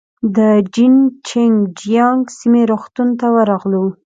د جين چنګ جيانګ سیمې روغتون ته ورغلو.